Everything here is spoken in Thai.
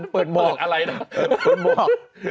เปิดอะไรน่ะ